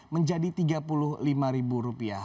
menjadi tiga puluh lima rupiah